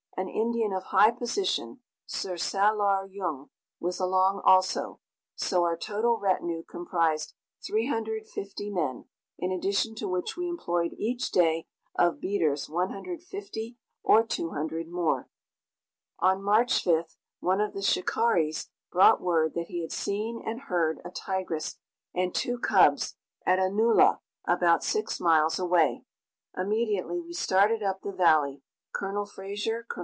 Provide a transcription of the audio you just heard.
An Indian of high position, Sir Salar Jung, was along also; so our total retinue comprised 350 men, in addition to which we employed each day of beaters 150 or 200 more. On March 5th, one of the shikaris brought word that he had seen and heard a tigress and two cubs at a nullah about six miles away. Immediately we started up the valley, Col. Fraser, Col.